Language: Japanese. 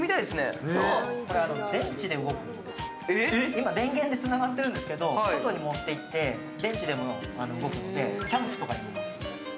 今、電源でつながっているんですけど、外に持っていって電池でも動くので。